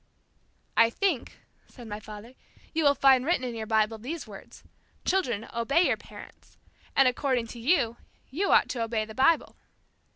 "I think," said my father, "you will find written in your Bible, these words, 'Children, obey your parents.' And according to you, you ought to obey the Bible."